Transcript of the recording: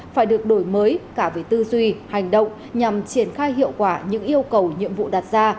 phải được đổi mới cả về tư duy hành động nhằm triển khai hiệu quả những yêu cầu nhiệm vụ đặt ra